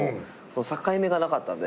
境目がなかったんで。